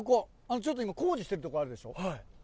ちょっと今、工事してるとこあるでしょ？